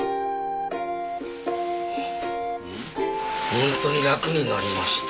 本当に楽になりました。